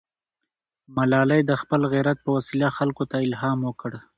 ملالۍ د خپل غیرت په وسیله خلکو ته الهام ورکړ.